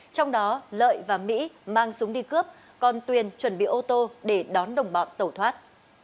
trong đó lợi và mỹ mang súng đi cướp còn tuyền chuẩn bị ô tô để đón đồng bọn tẩu thoát